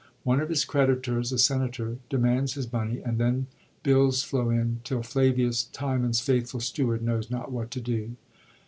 One of his creditors, a senator, demands his money, and then bills flow in, till Flavius, Timon's faithful steward, knows not what to do.